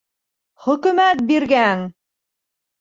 Хөкөмәт биргән!